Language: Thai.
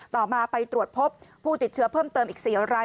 ต่อมาไปตรวจพบผู้ติดเชื้อเพิ่มเติมอีก๔ราย